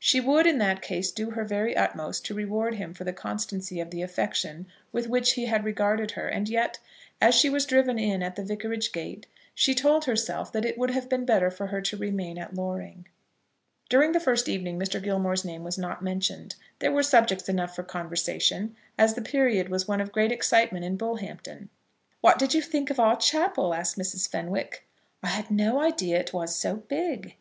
She would, in that case, do her very utmost to reward him for the constancy of the affection with which he had regarded her; and yet, as she was driven in at the vicarage gate, she told herself that it would have been better for her to remain at Loring. During the first evening Mr. Gilmore's name was not mentioned. There were subjects enough for conversation, as the period was one of great excitement in Bullhampton. "What did you think of our chapel?" asked Mrs. Fenwick. "I had no idea it was so big."